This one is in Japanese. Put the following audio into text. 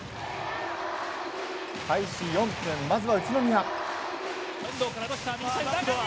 開始４分、まずは宇都宮。